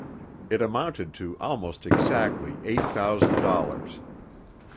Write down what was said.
It amounted to almost exactly eight thousand dollars.